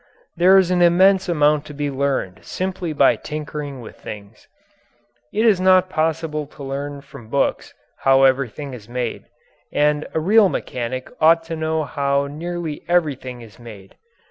There is an immense amount to be learned simply by tinkering with things. It is not possible to learn from books how everything is made and a real mechanic ought to know how nearly everything is made.